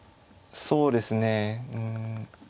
そうですねうん。